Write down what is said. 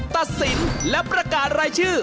ตัดสินและประกาศรายชื่อ